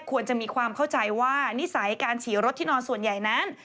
ควรจะมีความเข้าใจว่านิสัยการฉี่รถที่นอนส่วนใหญ่นั้น